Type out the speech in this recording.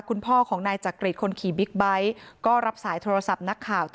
คุณพ่อของนายจักริตคนขี่บิ๊กไบท์ก็รับสายโทรศัพท์นักข่าว